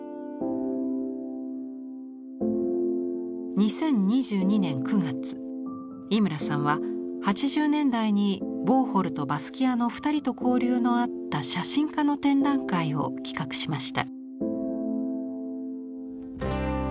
２０２２年９月井村さんは８０年代にウォーホルとバスキアの２人と交流のあった写真家の展覧会を企画しました。